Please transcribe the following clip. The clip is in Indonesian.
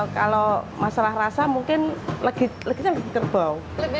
kalau masalah rasa mungkin lebih lagi kerbau